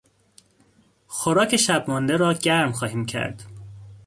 خوراک شب مانده را گرم خواهیم کرد.